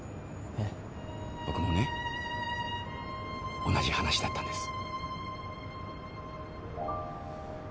僕もね同じ話だったんです。